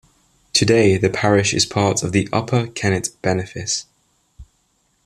Today the parish is part of the Upper Kennet benefice.